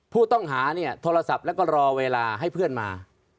ผู้ต้องหาเนี่ยโทรศัพท์แล้วก็รอเวลาให้เพื่อนมา